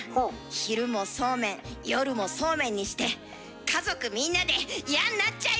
昼もそうめん夜もそうめんにして家族みんなで嫌んなっちゃいましょう！